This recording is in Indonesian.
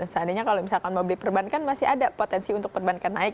seandainya kalau misalkan mau beli perbankan masih ada potensi untuk perbankan naik